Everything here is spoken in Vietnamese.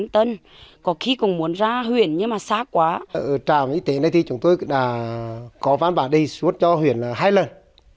trạm y tế này thì chúng tôi đã có văn bản đề xuất cho huyện hai lần